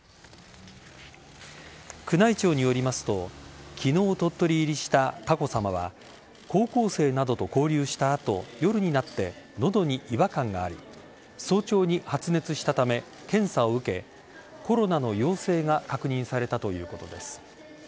宮内庁によりますと昨日、鳥取入りした佳子さまは高校生などと交流した後夜になって喉に違和感があり早朝に発熱したため検査を受けコロナの陽性が確認されたということです。